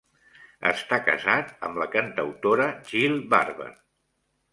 Està casat amb la cantautora Jill Barber.